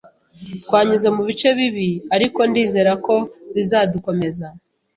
Twanyuze mubice bibi, ariko ndizera ko bizadukomeza.